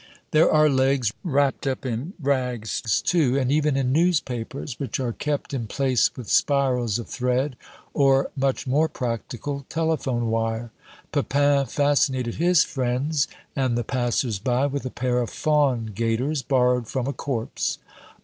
There are legs wrapped up in rags, too, and even in newspapers, which are kept in place with spirals of thread or much more practical telephone wire. Pepin fascinated his friends and the passers by with a pair of fawn gaiters, borrowed from a corpse.